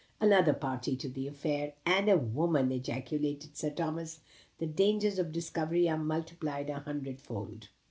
"Another party to the affair and a woman!" ejaculated Sir Thomas. "The dangers of discovery are multiplied a hundredfold."